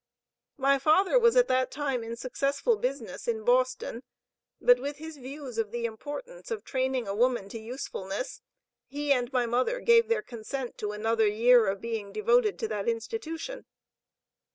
My father was at that time, in successful business in Boston, but with his views of the importance of training a woman to usefulness, he and my mother gave their consent to another year being devoted to that institution."